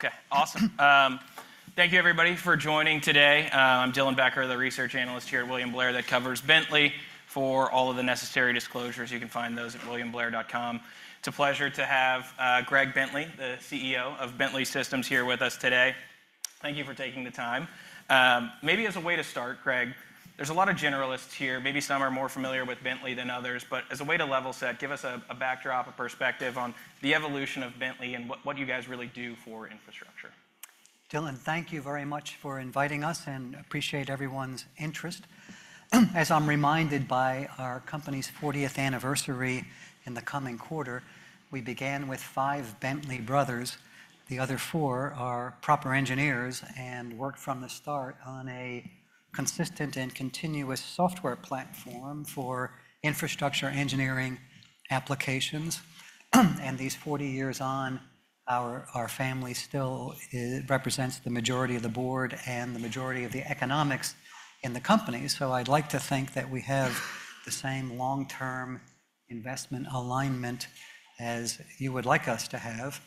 Okay, awesome. Thank you everybody for joining today. I'm Dylan Becker, the research analyst here at William Blair that covers Bentley. For all of the necessary disclosures, you can find those at williamblair.com. It's a pleasure to have Greg Bentley, the CEO of Bentley Systems, here with us today. Thank you for taking the time. Maybe as a way to start, Greg, there's a lot of generalists here. Maybe some are more familiar with Bentley than others, but as a way to level set, give us a backdrop, a perspective on the evolution of Bentley and what you guys really do for infrastructure. Dylan, thank you very much for inviting us, and appreciate everyone's interest. As I'm reminded by our company's 40th anniversary in the coming quarter, we began with 5 Bentley brothers. The other four are proper engineers and worked from the start on a consistent and continuous software platform for infrastructure engineering applications. And these 40 years on, our family still represents the majority of the board and the majority of the economics in the company. So I'd like to think that we have the same long-term investment alignment as you would like us to have.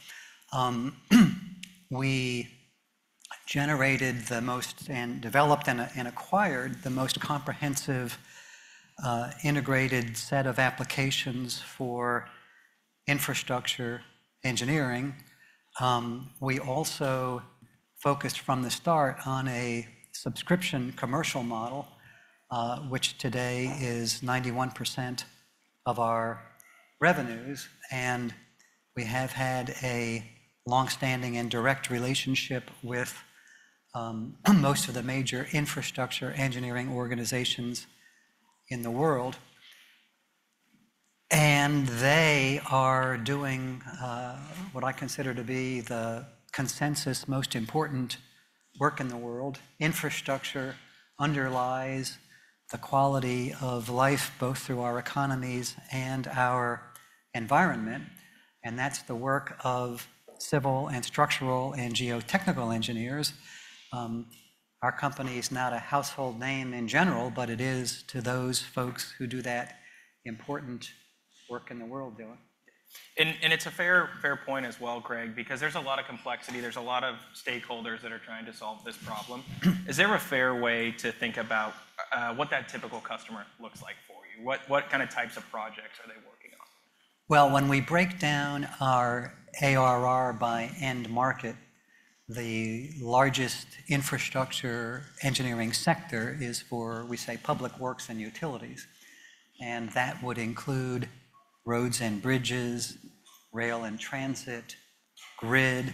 We generated the most, and developed and acquired the most comprehensive, integrated set of applications for infrastructure engineering. We also focused from the start on a subscription commercial model, which today is 91% of our revenues, and we have had a long-standing and direct relationship with most of the major infrastructure engineering organizations in the world. They are doing what I consider to be the consensus most important work in the world. Infrastructure underlies the quality of life, both through our economies and our environment, and that's the work of civil and structural and geotechnical engineers. Our company is not a household name in general, but it is to those folks who do that important work in the world, Dylan. And it's a fair point as well, Greg, because there's a lot of complexity. There's a lot of stakeholders that are trying to solve this problem. Is there a fair way to think about what that typical customer looks like for you? What kind of types of projects are they working on? Well, when we break down our ARR by end market, the largest infrastructure engineering sector is for, we say, public works and utilities. And that would include roads and bridges, rail and transit, grid,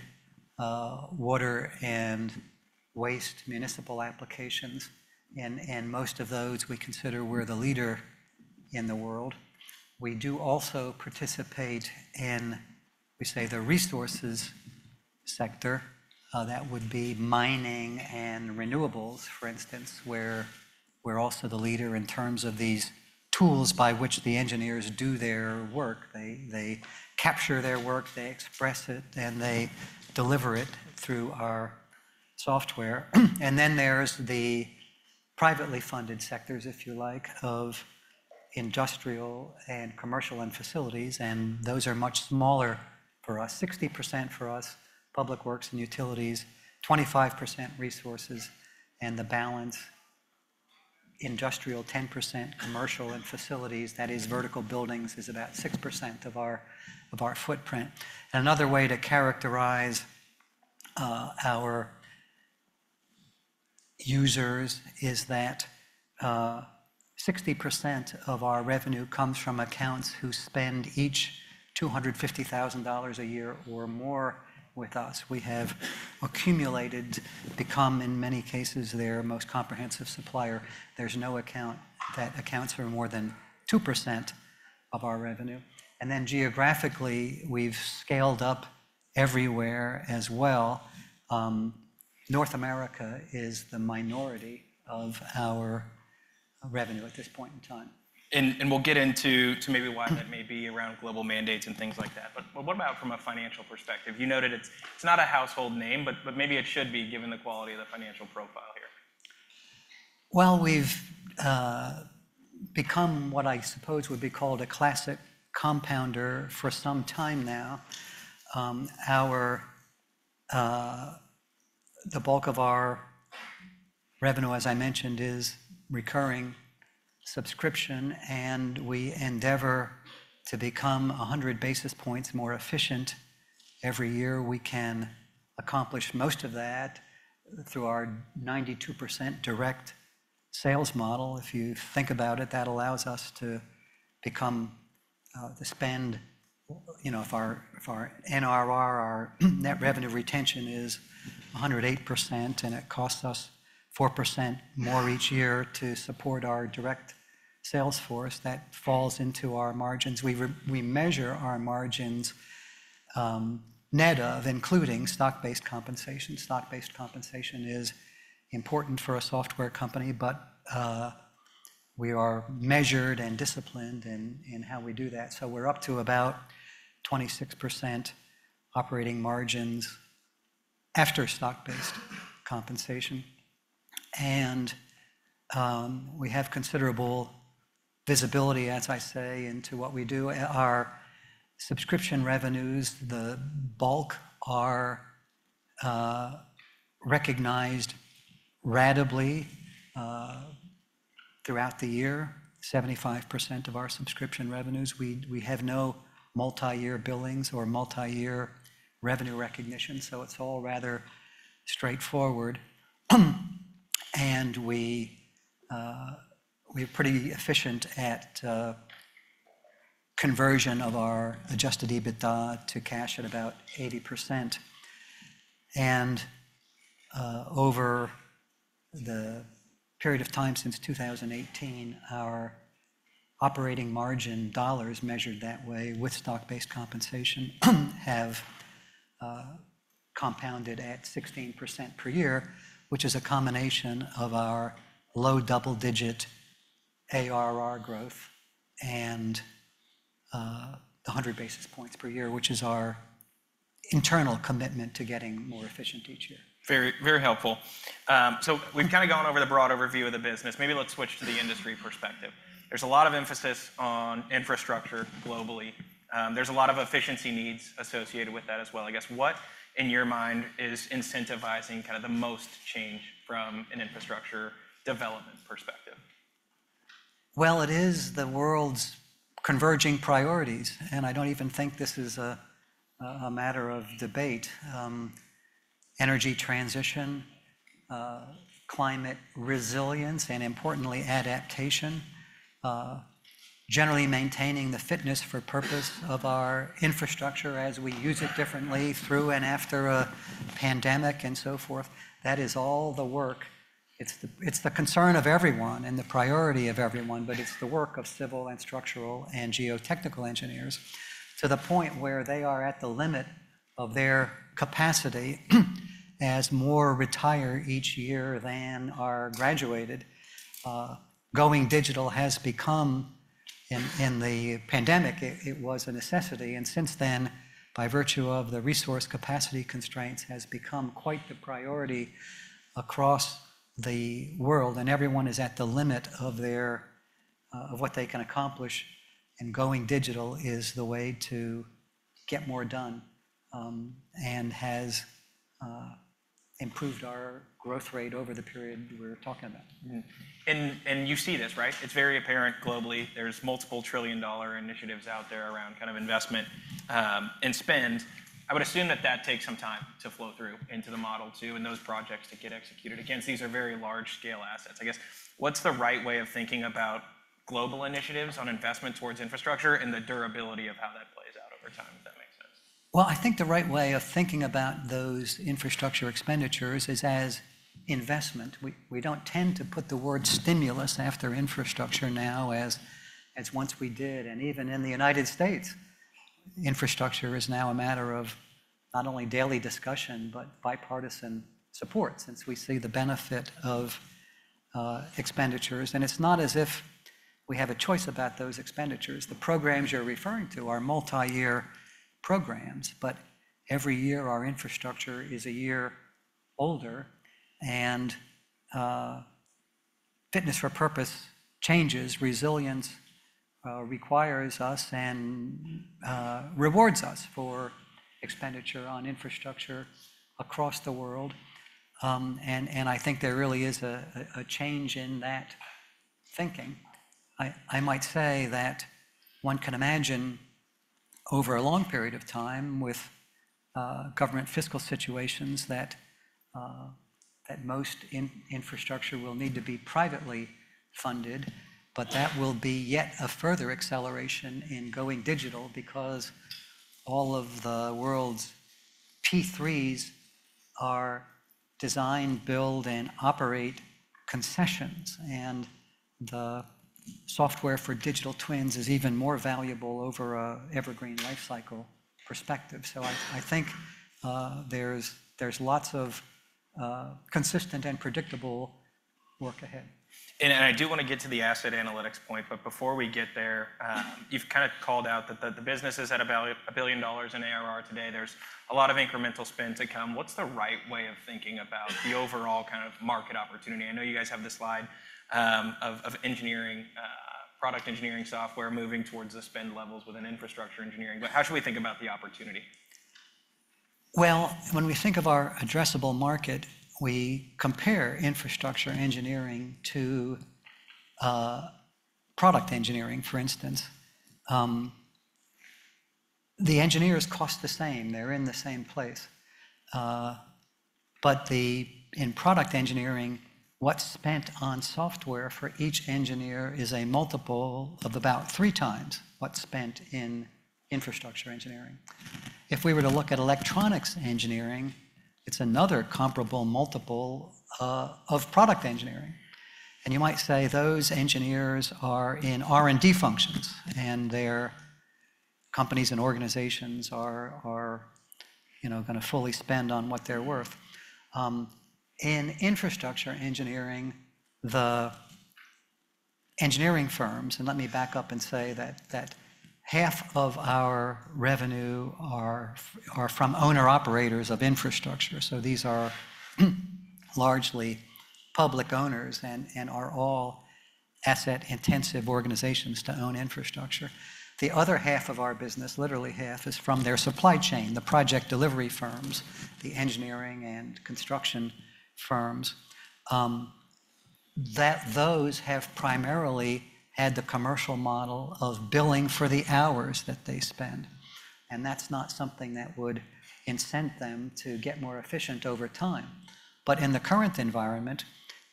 water and waste, municipal applications, and most of those we consider we're the leader in the world. We do also participate in, we say, the resources sector. That would be mining and renewables, for instance, where we're also the leader in terms of these tools by which the engineers do their work. They capture their work, they express it, and they deliver it through our software. And then there's the privately funded sectors, if you like, of industrial and commercial and facilities, and those are much smaller for us. 60% for us, public works and utilities, 25% resources, and the balance, industrial, 10% commercial and facilities, that is, vertical buildings, is about 6% of our footprint. Another way to characterize our users is that 60% of our revenue comes from accounts who spend $250,000 a year or more with us. We have accumulated, become, in many cases, their most comprehensive supplier. There's no account that accounts for more than 2% of our revenue. And then geographically, we've scaled up everywhere as well. North America is the minority of our revenue at this point in time. And we'll get into maybe why that may be around global mandates and things like that. But what about from a financial perspective? You noted it's not a household name, but maybe it should be, given the quality of the financial profile here. Well, we've become what I suppose would be called a classic compounder for some time now. Our... The bulk of our revenue, as I mentioned, is recurring subscription, and we endeavor to become 100 basis points more efficient every year. We can accomplish most of that through our 92% direct sales model. If you think about it, that allows us to become the spend, you know, if our, if our NRR, our net revenue retention, is 108%, and it costs us 4% more each year to support our direct sales force, that falls into our margins. We measure our margins net of including stock-based compensation. Stock-based compensation is important for a software company, but we are measured and disciplined in how we do that. So we're up to about 26% operating margins after stock-based compensation. And we have considerable visibility, as I say, into what we do. Our subscription revenues, the bulk are recognized ratably throughout the year, 75% of our subscription revenues. We have no multi-year billings or multi-year revenue recognition, so it's all rather straightforward. And we're pretty efficient at conversion of our adjusted EBITDA to cash at about 80%. And over the period of time since 2018, our operating margin dollars measured that way with stock-based compensation have compounded at 16% per year, which is a combination of our low double-digit ARR growth and 100 basis points per year, which is our internal commitment to getting more efficient each year. Very, very helpful. So we've kind of gone over the broad overview of the business. Maybe let's switch to the industry perspective. There's a lot of emphasis on infrastructure globally. There's a lot of efficiency needs associated with that as well. I guess, what, in your mind, is incentivizing kind of the most change from an infrastructure development perspective? Well, it is the world's converging priorities, and I don't even think this is a matter of debate. Energy transition, climate resilience, and importantly, adaptation, generally maintaining the fitness for purpose of our infrastructure as we use it differently through and after a pandemic and so forth. That is all the work. It's the, it's the concern of everyone and the priority of everyone, but it's the work of civil and structural and geotechnical engineers, to the point where they are at the limit of their capacity, as more retire each year than are graduated. Going digital has become, in the pandemic, it was a necessity, and since then, by virtue of the resource capacity constraints, has become quite the priority across the world. Everyone is at the limit of what they can accomplish. Going digital is the way to get more done, and has improved our growth rate over the period we're talking about. And you see this, right? It's very apparent globally. There's multiple trillion-dollar initiatives out there around kind of investment, and spend. I would assume that that takes some time to flow through into the model, too, and those projects to get executed. Again, these are very large-scale assets. I guess, what's the right way of thinking about global initiatives on investment towards infrastructure and the durability of how that plays out over time, if that makes sense? Well, I think the right way of thinking about those infrastructure expenditures is as investment. We don't tend to put the word stimulus after infrastructure now as once we did. And even in the United States, infrastructure is now a matter of not only daily discussion, but bipartisan support, since we see the benefit of expenditures. And it's not as if we have a choice about those expenditures. The programs you're referring to are multi-year programs, but every year, our infrastructure is a year older, and fitness for purpose changes. Resilience requires us and rewards us for expenditure on infrastructure across the world. And I think there really is a change in that thinking. I might say that one can imagine over a long period of time with government fiscal situations, that most infrastructure will need to be privately funded, but that will be yet a further acceleration in going digital because all of the world's P3s are design, build, and operate concessions, and the software for digital twins is even more valuable over a evergreen lifecycle perspective. So I think there's lots of consistent and predictable work ahead. I do want to get to the asset analytics point, but before we get there, you've kind of called out that the business is at about $1 billion in ARR today. There's a lot of incremental spend to come. What's the right way of thinking about the overall kind of market opportunity? I know you guys have this slide of engineering product engineering software moving towards the spend levels within infrastructure engineering, but how should we think about the opportunity? Well, when we think of our addressable market, we compare infrastructure engineering to product engineering, for instance. The engineers cost the same. They're in the same place. But in product engineering, what's spent on software for each engineer is a multiple of about 3 times what's spent in infrastructure engineering. If we were to look at electronics engineering, it's another comparable multiple of product engineering. And you might say those engineers are in R&D functions, and their companies and organizations are, you know, gonna fully spend on what they're worth. In infrastructure engineering, engineering firms, and let me back up and say that half of our revenue are from owner-operators of infrastructure. So these are largely public owners and are all asset-intensive organizations to own infrastructure. The other half of our business, literally half, is from their supply chain, the project delivery firms, the engineering and construction firms. Those have primarily had the commercial model of billing for the hours that they spend, and that's not something that would incent them to get more efficient over time. But in the current environment,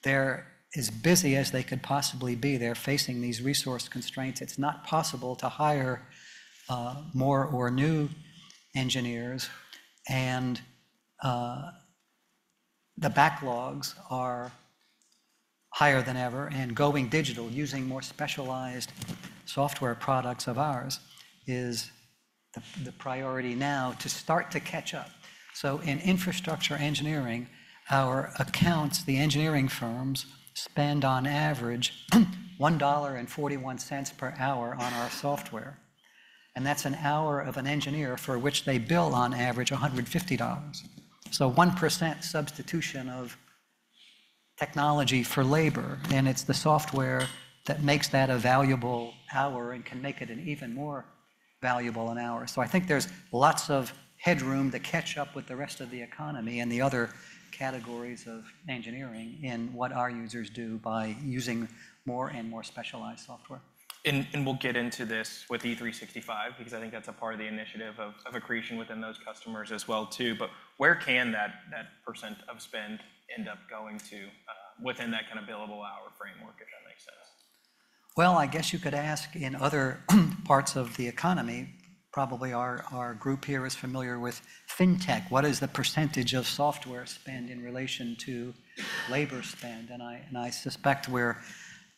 they're as busy as they could possibly be. They're facing these resource constraints. It's not possible to hire more or new engineers, and the backlogs are higher than ever, and going digital, using more specialized software products of ours, is the priority now to start to catch up. So in infrastructure engineering, our accounts, the engineering firms, spend on average $1.41 per hour on our software, and that's an hour of an engineer for which they bill on average $150. So 1% substitution of technology for labor, and it's the software that makes that a valuable hour and can make it an even more valuable hour. So I think there's lots of headroom to catch up with the rest of the economy and the other categories of engineering in what our users do by using more and more specialized software. And we'll get into this with E365, because I think that's a part of the initiative of accretion within those customers as well, too. But where can that percent of spend end up going to, within that kind of billable hour framework, if that makes sense? Well, I guess you could ask in other parts of the economy. Probably our, our group here is familiar with Fintech. What is the percentage of software spend in relation to labor spend? And I, and I suspect we're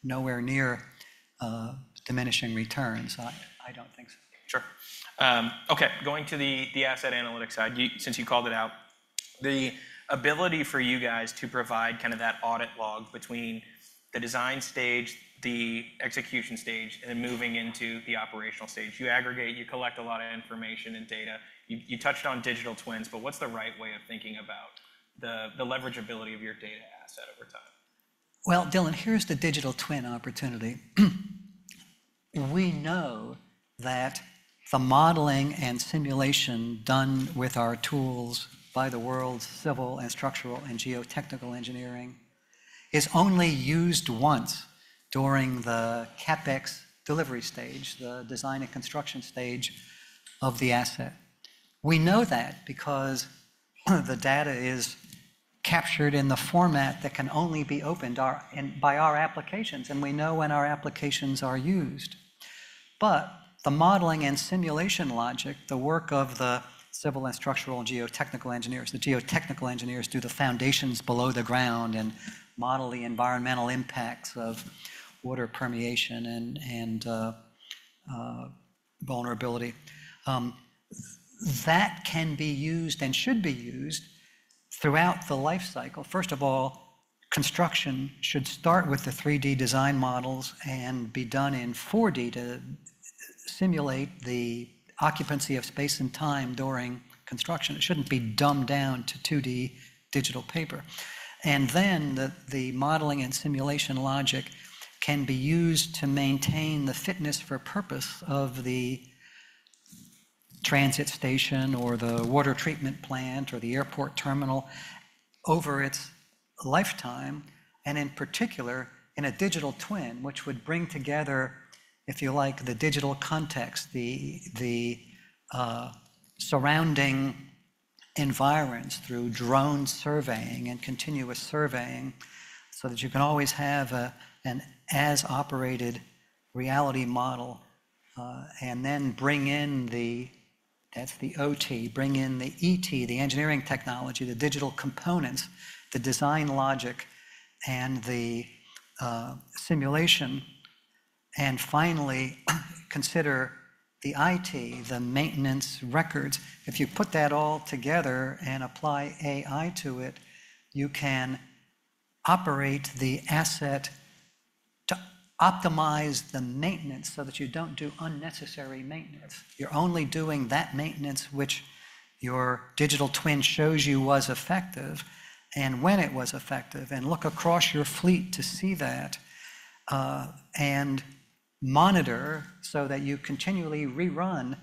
nowhere near diminishing returns. I, I don't think so. Sure. Okay, going to the Asset Analytics side, you—since you called it out, the ability for you guys to provide kind of that audit log between the design stage, the execution stage, and then moving into the operational stage. You aggregate, you collect a lot of information and data. You touched on digital twins, but what's the right way of thinking about the leverage ability of your data asset over time? Well, Dylan, here's the digital twin opportunity. We know that the modeling and simulation done with our tools by the world's civil and structural and geotechnical engineers is only used once during the CapEx delivery stage, the design and construction stage of the asset. We know that because the data is captured in the format that can only be opened in by our applications, and we know when our applications are used. But the modeling and simulation logic, the work of the civil and structural and geotechnical engineers, the geotechnical engineers do the foundations below the ground and model the environmental impacts of water permeation and vulnerability. That can be used and should be used throughout the life cycle. First of all, construction should start with the 3D design models and be done in 4D to simulate the occupancy of space and time during construction. It shouldn't be dumbed down to 2D digital paper. And then, the modeling and simulation logic can be used to maintain the fitness for purpose of the transit station or the water treatment plant or the airport terminal over its lifetime, and in particular, in a digital twin, which would bring together, if you like, the digital context, the surrounding environs through drone surveying and continuous surveying, so that you can always have an as-operated reality model. And then bring in. That's the OT. Bring in the ET, the engineering technology, the digital components, the design logic, and the simulation, and finally, consider the IT, the maintenance records. If you put that all together and apply AI to it, you can operate the asset to optimize the maintenance so that you don't do unnecessary maintenance. You're only doing that maintenance which your digital twin shows you was effective, and when it was effective, and look across your fleet to see that, and monitor so that you continually rerun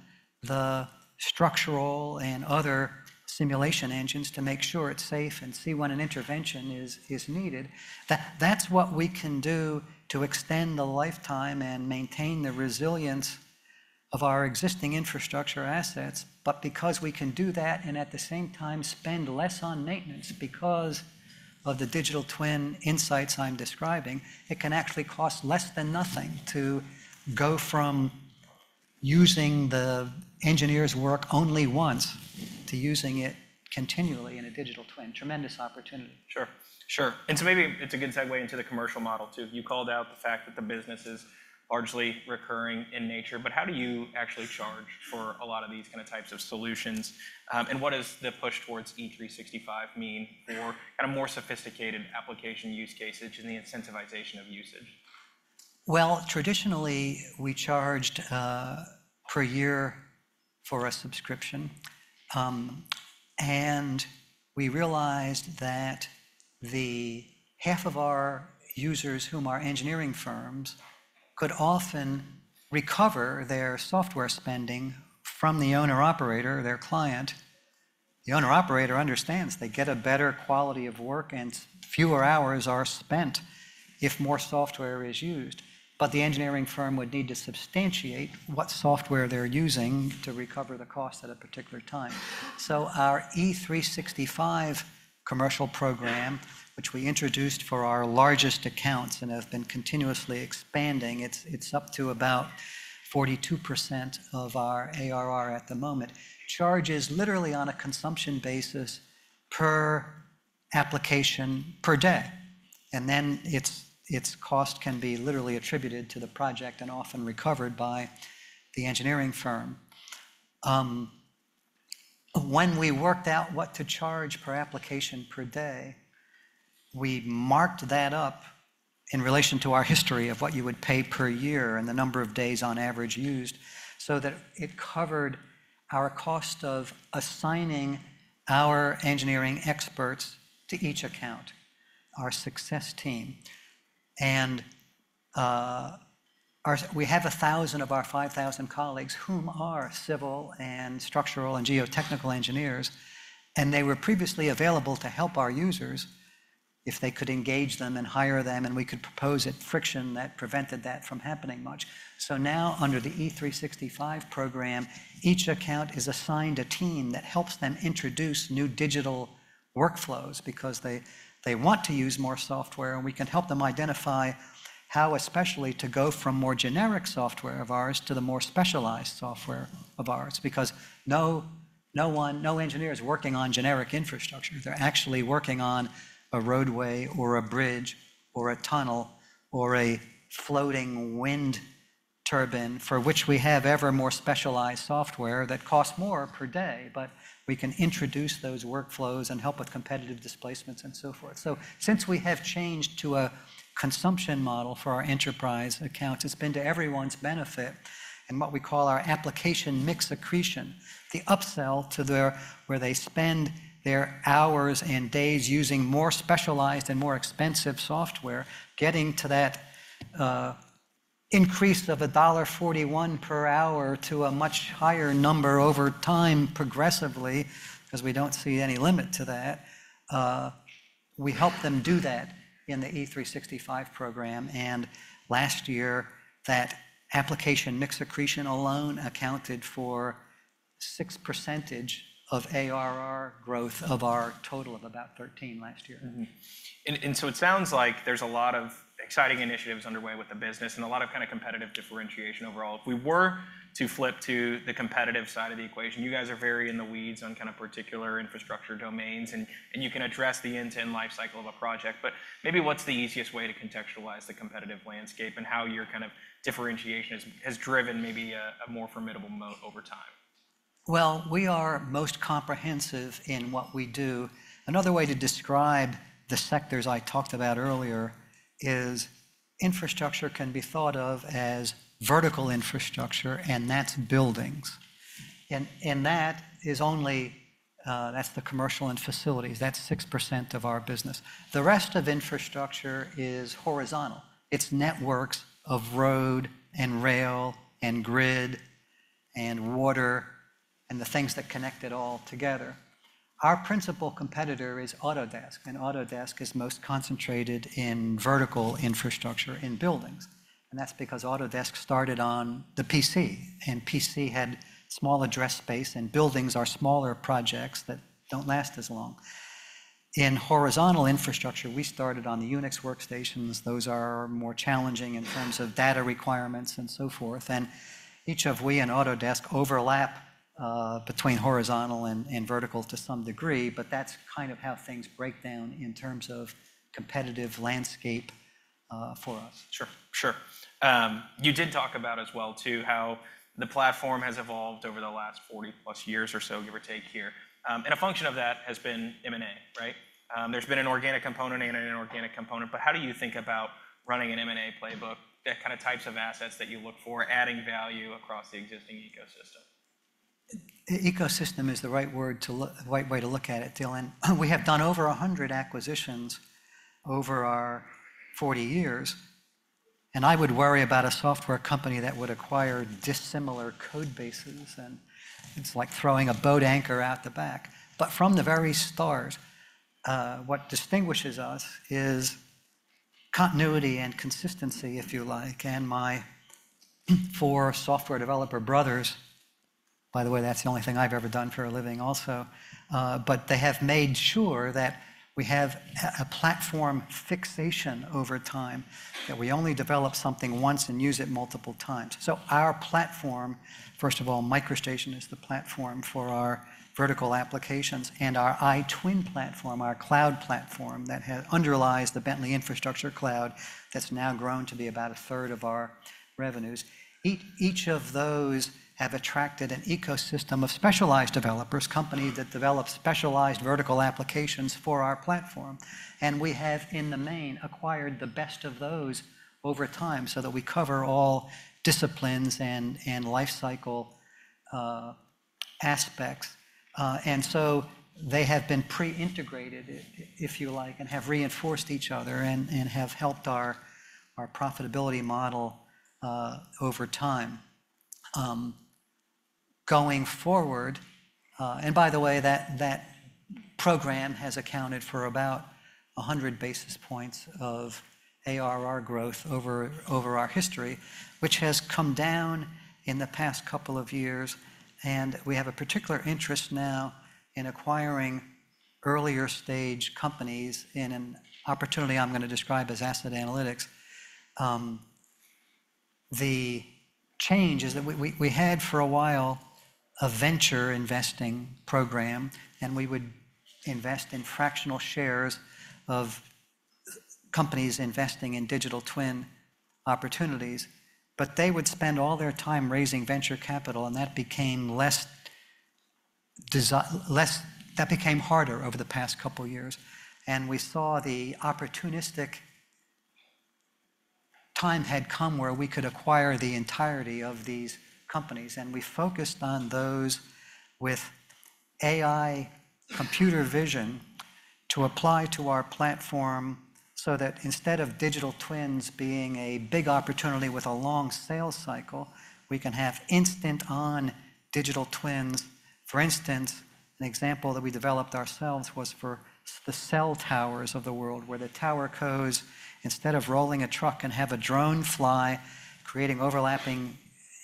the structural and other simulation engines to make sure it's safe and see when an intervention is needed. That's what we can do to extend the lifetime and maintain the resilience of our existing infrastructure assets. But because we can do that, and at the same time spend less on maintenance because of the digital twin insights I'm describing, it can actually cost less than nothing to go from using the engineer's work only once to using it continually in a digital twin. Tremendous opportunity. Sure. Sure, maybe it's a good segue into the commercial model, too. You called out the fact that the business is largely recurring in nature, but how do you actually charge for a lot of these kind of types of solutions? What does the push towards E365 mean for kind of more sophisticated application use cases and the incentivization of usage? Well, traditionally, we charged per year for a subscription. And we realized that the half of our users whom are engineering firms could often recover their software spending from the owner-operator, their client. The owner-operator understands they get a better quality of work and fewer hours are spent if more software is used. But the engineering firm would need to substantiate what software they're using to recover the cost at a particular time. So our E365 commercial program, which we introduced for our largest accounts and have been continuously expanding, it's, it's up to about 42% of our ARR at the moment, charges literally on a consumption basis per application per day. And then its, its cost can be literally attributed to the project and often recovered by the engineering firm. When we worked out what to charge per application per day, we marked that up in relation to our history of what you would pay per year and the number of days on average used, so that it covered our cost of assigning our engineering experts to each account, our success team. We have 1,000 of our 5,000 colleagues whom are civil and structural and geotechnical engineers, and they were previously available to help our users if they could engage them and hire them, and we could propose it, friction that prevented that from happening much. So now, under the E365 program, each account is assigned a team that helps them introduce new digital workflows because they, they want to use more software, and we can help them identify how especially to go from more generic software of ours to the more specialized software of ours. Because no, no one, no engineer is working on generic infrastructure. They're actually working on a roadway or a bridge or a tunnel or a floating wind turbine, for which we have ever more specialized software that costs more per day. But we can introduce those workflows and help with competitive displacements and so forth. So since we have changed to a consumption model for our enterprise accounts, it's been to everyone's benefit in what we call our application mix accretion, the upsell to their... where they spend their hours and days using more specialized and more expensive software, getting to that, increase of a $1.41 per hour to a much higher number over time progressively, 'cause we don't see any limit to that. We help them do that in the E365 program, and last year, that application mix accretion alone accounted for 6% of ARR growth of our total of about 13% last year. Mm-hmm. And so it sounds like there's a lot of exciting initiatives underway with the business and a lot of kind of competitive differentiation overall. If we were to flip to the competitive side of the equation, you guys are very in the weeds on kind of particular infrastructure domains, and you can address the end-to-end life cycle of a project. But maybe what's the easiest way to contextualize the competitive landscape and how your kind of differentiation has driven maybe a more formidable moat over time? Well, we are most comprehensive in what we do. Another way to describe the sectors I talked about earlier is infrastructure can be thought of as vertical infrastructure, and that's buildings. And that is only, that's the commercial and facilities. That's 6% of our business. The rest of infrastructure is horizontal. It's networks of road and rail and grid and water and the things that connect it all together. Our principal competitor is Autodesk, and Autodesk is most concentrated in vertical infrastructure, in buildings. And that's because Autodesk started on the PC, and PC had small address space, and buildings are smaller projects that don't last as long. In horizontal infrastructure, we started on the Unix workstations. Those are more challenging in terms of data requirements and so forth. Each of we and Autodesk overlap between horizontal and vertical to some degree, but that's kind of how things break down in terms of competitive landscape for us. Sure, sure. You did talk about as well, too, how the platform has evolved over the last 40+ years or so, give or take here. A function of that has been M&A, right? There's been an organic component and an inorganic component, but how do you think about running an M&A playbook, the kind of types of assets that you look for, adding value across the existing ecosystem? Ecosystem is the right way to look at it, Dylan. We have done over 100 acquisitions over our 40 years, and I would worry about a software company that would acquire dissimilar code bases, and it's like throwing a boat anchor out the back. But from the very start, what distinguishes us is continuity and consistency, if you like, and my four software developer brothers... By the way, that's the only thing I've ever done for a living also. But they have made sure that we have a platform fixation over time, that we only develop something once and use it multiple times. So our platform, first of all, MicroStation, is the platform for our vertical applications and our iTwin platform, our cloud platform, that has underlies the Bentley Infrastructure Cloud, that's now grown to be about a third of our revenues. Each of those have attracted an ecosystem of specialized developers, companies that develop specialized vertical applications for our platform, and we have, in the main, acquired the best of those over time so that we cover all disciplines and life cycle aspects. And so they have been pre-integrated, if you like, and have reinforced each other and have helped our profitability model over time. Going forward, and by the way, that program has accounted for about 100 basis points of ARR growth over our history, which has come down in the past couple of years, and we have a particular interest now in acquiring earlier-stage companies in an opportunity I'm going to describe as asset analytics. The change is that we had, for a while, a venture investing program, and we would invest in fractional shares of companies investing in digital twin opportunities. But they would spend all their time raising venture capital, and that became less desi- less... That became harder over the past couple of years, and we saw the opportunistic time had come where we could acquire the entirety of these companies, and we focused on those with AI computer vision to apply to our platform, so that instead of digital twins being a big opportunity with a long sales cycle, we can have instant-on digital twins. For instance, an example that we developed ourselves was for the cell towers of the world, where the towercos, instead of rolling a truck and have a drone fly, creating overlapping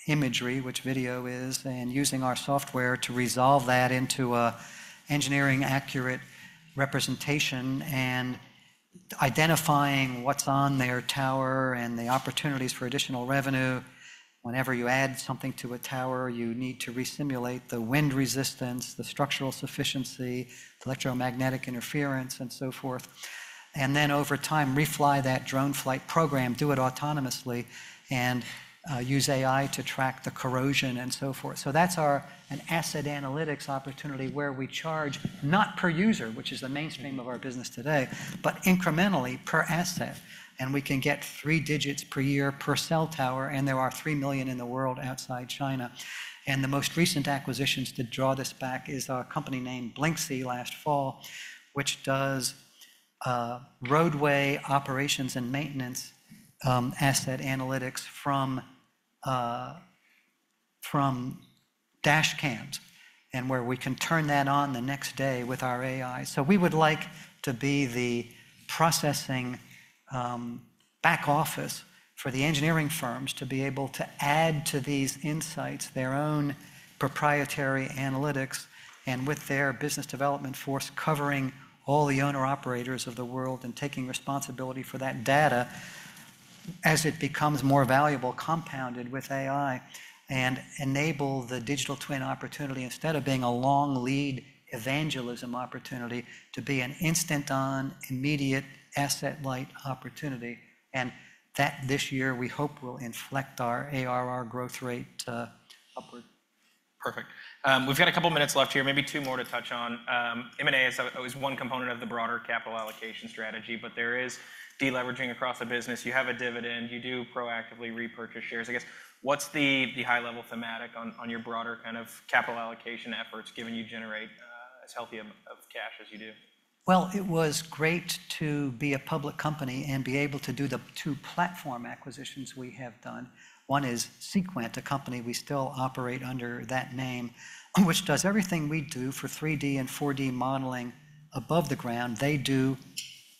imagery, which video is, and using our software to resolve that into an engineering accurate representation and identifying what's on their tower and the opportunities for additional revenue. Whenever you add something to a tower, you need to resimulate the wind resistance, the structural sufficiency, electromagnetic interference, and so forth. And then over time, refly that drone flight program, do it autonomously, and use AI to track the corrosion and so forth. So that's our an asset analytics opportunity where we charge, not per user, which is the mainstream of our business today, but incrementally per asset. And we can get 3 digits per year per cell tower, and there are 3 million in the world outside China. And the most recent acquisitions to draw this back is our company named Blyncsy last fall, which does roadway operations and maintenance asset analytics from dash cams, and where we can turn that on the next day with our AI. So we would like to be the processing, back office for the engineering firms to be able to add to these insights, their own proprietary analytics, and with their business development force covering all the owner-operators of the world and taking responsibility for that data as it becomes more valuable, compounded with AI, and enable the digital twin opportunity, instead of being a long lead evangelism opportunity, to be an instant-on, immediate, asset-light opportunity. And that, this year, we hope, will inflect our ARR growth rate, upward. Perfect. We've got a couple of minutes left here, maybe two more to touch on. M&A is always one component of the broader capital allocation strategy, but there is deleveraging across the business. You have a dividend, you do proactively repurchase shares. I guess, what's the, the high-level thematic on, on your broader kind of capital allocation efforts, given you generate, as healthy of, of cash as you do? Well, it was great to be a public company and be able to do the two platform acquisitions we have done. One is Seequent, a company we still operate under that name, which does everything we do for 3D and 4D modeling above the ground, they do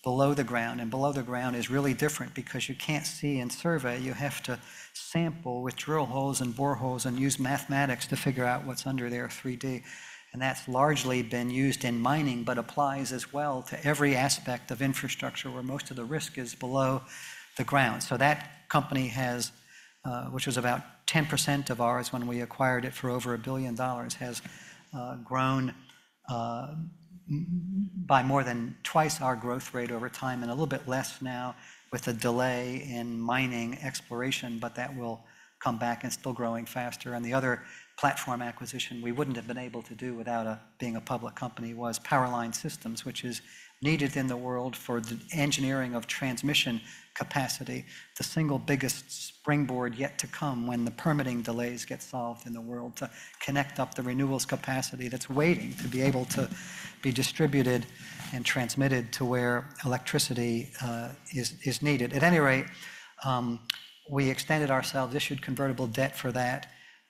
below the ground. And below the ground is really different because you can't see and survey. You have to sample with drill holes and boreholes and use mathematics to figure out what's under there 3D. And that's largely been used in mining, but applies as well to every aspect of infrastructure, where most of the risk is below the ground. So that company has, which was about 10% of ours when we acquired it for over $1 billion, has grown by more than twice our growth rate over time and a little bit less now with the delay in mining exploration, but that will come back, and it's still growing faster. The other platform acquisition we wouldn't have been able to do without being a public company was Power Line Systems, which is needed in the world for the engineering of transmission capacity. The single biggest springboard yet to come when the permitting delays get solved in the world to connect up the renewables capacity that's waiting to be able to be distributed and transmitted to where electricity is needed. At any rate, we extended ourselves, issued convertible debt for that,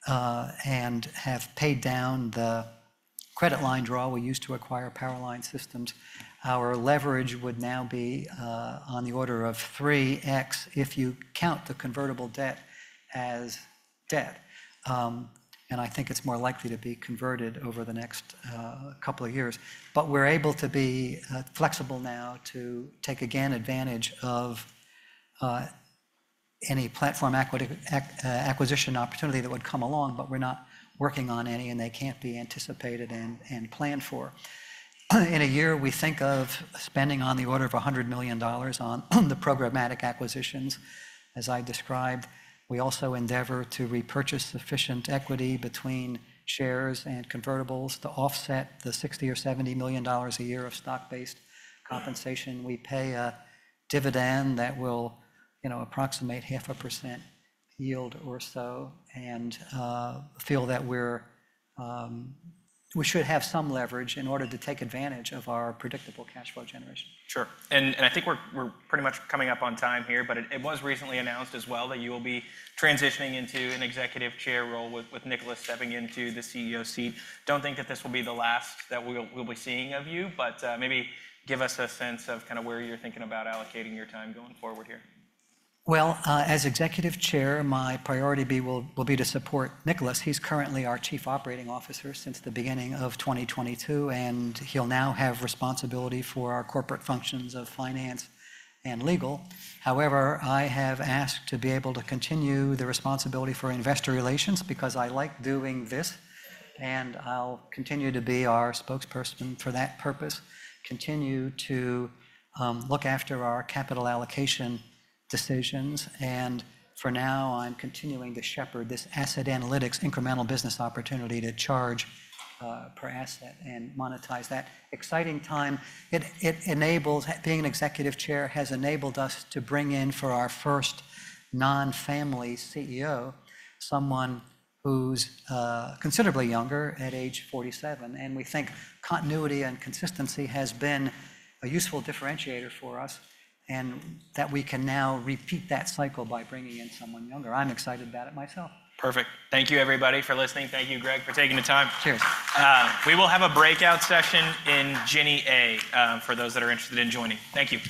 and have paid down the credit line draw we used to acquire Power Line Systems. Our leverage would now be, on the order of 3x if you count the convertible debt as debt. And I think it's more likely to be converted over the next, couple of years. But we're able to be, flexible now to take, again, advantage of, any platform acquisition opportunity that would come along, but we're not working on any, and they can't be anticipated and, and planned for. In a year, we think of spending on the order of $100 million on the programmatic acquisitions. As I described, we also endeavor to repurchase sufficient equity between shares and convertibles to offset the $60 million-$70 million a year of stock-based compensation. We pay a dividend that will, you know, approximate 0.5% yield or so, and feel that we should have some leverage in order to take advantage of our predictable cash flow generation. Sure. And I think we're pretty much coming up on time here, but it was recently announced as well that you will be transitioning into an Executive Chair role with Nicholas stepping into the CEO seat. Don't think that this will be the last that we'll be seeing of you, but maybe give us a sense of kind of where you're thinking about allocating your time going forward here. Well, as Executive Chair, my priority will be to support Nicholas. He's currently our Chief Operating Officer since the beginning of 2022, and he'll now have responsibility for our corporate functions of finance and legal. However, I have asked to be able to continue the responsibility for investor relations because I like doing this, and I'll continue to be our spokesperson for that purpose, continue to look after our capital allocation decisions, and for now, I'm continuing to shepherd this asset analytics incremental business opportunity to charge per asset and monetize that. Exciting time. It enables- Being an Executive Chair has enabled us to bring in, for our first non-family CEO, someone who's considerably younger at age 47. We think continuity and consistency has been a useful differentiator for us, and that we can now repeat that cycle by bringing in someone younger. I'm excited about it myself. Perfect. Thank you, everybody, for listening. Thank you, Greg, for taking the time. Cheers. We will have a breakout session in Gurney A, for those that are interested in joining. Thank you.